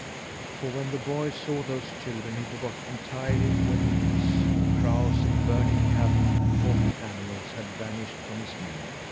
For when the boy saw those children he forgot entirely where he was. Crows and burning cabin and talking animals had vanished from his memory.